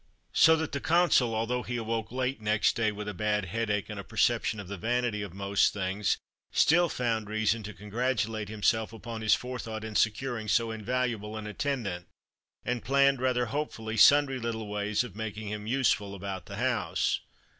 So that the Consul, although he awoke late next day with a bad headache and a perception of the vanity of most things, still found reason to congratulate himself upon his forethought in securing so invaluable an attendant, and planned, rather hopefully, sundry little ways of making him useful about the house.